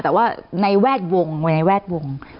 แต่ว่าในแวดวงไว้ในแวดวง